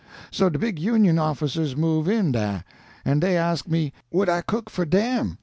So de big Union officers move in dah, an' dey ask me would I cook for DeM.